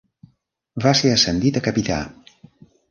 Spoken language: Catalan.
Va ser ascendit a capità.